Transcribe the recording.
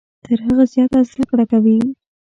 تر هغه زیاته زده کړه کوي .